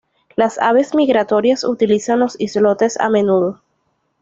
Las aves migratorias utilizan los islotes a menudo.